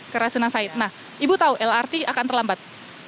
ke rasunan said nah ibu tahu lrt akan terlambat